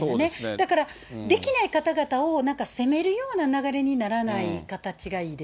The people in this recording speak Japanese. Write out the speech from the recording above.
だからできない方々をなんか責めるような流れにならない形がいい